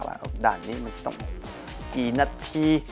ด่านนี้มันต้องกี่นาที